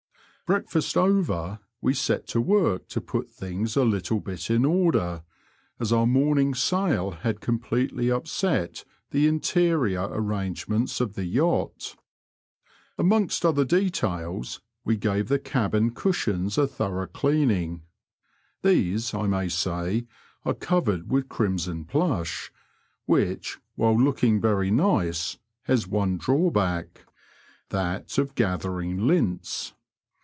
Breakfast over, we set to work to put things a little bit in order, as our morning's sail had <!ompIetely upset the interior arrangements of the yacht Amongst other details, we gave the cabin cushions a thorough cleaning ; these, I may say, are coyered with crimson plush, which, while looking very nice, has one drawback — that of ;gathering lints.